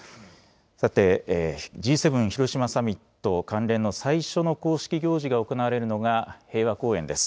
さて、Ｇ７広島サミット関連の最初の公式行事が行われるのが平和公園です。